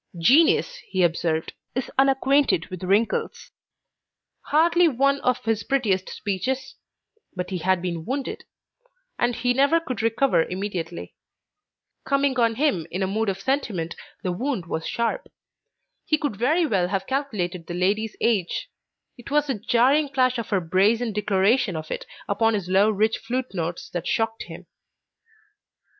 "Genius," he observed, "is unacquainted with wrinkles"; hardly one of his prettiest speeches; but he had been wounded, and he never could recover immediately. Coming on him in a mood of sentiment, the wound was sharp. He could very well have calculated the lady's age. It was the jarring clash of her brazen declaration of it upon his low rich flute notes that shocked him.